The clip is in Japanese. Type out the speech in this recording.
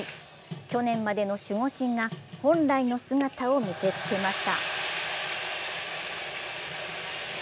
去年までの守護神が本来の姿を見せつけました